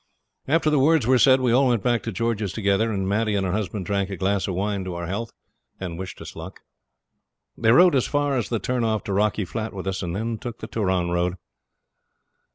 After the words were said we all went back to George's together, and Maddie and her husband drank a glass of wine to our health, and wished us luck. They rode as far as the turn off to Rocky Flat with us, and then took the Turon road.